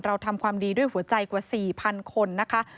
ทำความดีด้วยหัวใจกว่า๔๐๐คนนะคะ